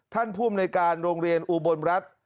ท่านผู้อำนวยการโรงเรียนอุบลรัฐ